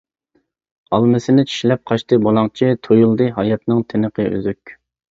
ئالمىسىنى چىشلەپ قاچتى بۇلاڭچى، تۇيۇلدى ھاياتنىڭ تىنىقى ئۈزۈك.